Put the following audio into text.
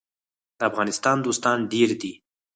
د افغانستان دوستان ډیر دي